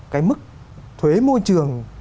cái mức thuế môi trường